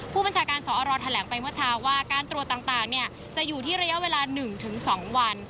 ผู้บัญชาการสอรแถลงไปเมื่อเช้าว่าการตรวจต่างจะอยู่ที่ระยะเวลา๑๒วัน